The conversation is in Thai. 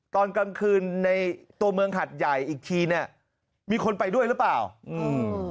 ตอนกลางคืนในตัวเมืองหัดใหญ่อีกทีเนี้ยมีคนไปด้วยหรือเปล่าอืม